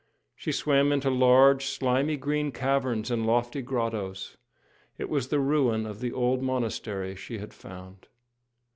She swam into large, slimy green caverns and lofty grottos. It was the ruin of the old monastery she had found.